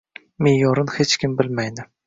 Me’yorin hech kim bilmaydi.